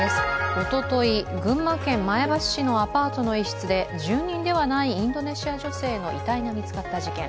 おととい、群馬県前橋市のアパートの一室で住人ではないインドネシア人女性の遺体が見つかった事件。